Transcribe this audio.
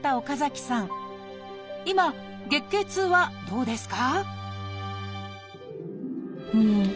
今月経痛はどうですか？